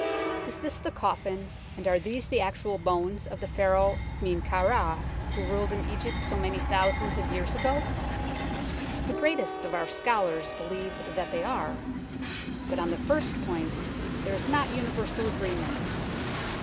Is this the coffin and are these the actual bones of the Pharaoh Men kau Ra who ruled in Egypt so many thousands of years ago ? The greatest of our scholars believe that they are, but on the first point there is not universal agreement.